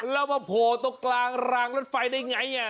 แล้วมาโผล่ตรงกลางรางรถไฟได้ไง